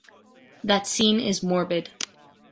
That scene is morbid.